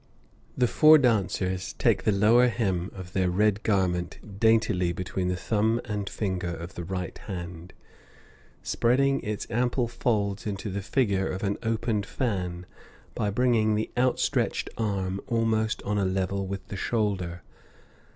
The four dancers take the lower hem of their red garment daintily between the thumb and finger of the right hand, spreading its ample folds into the figure of an opened fan, by bringing the outstretched arm almost on a level with the shoulder.